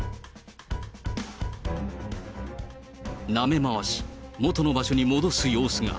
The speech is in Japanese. なめ回し、元の場所に戻す様子が。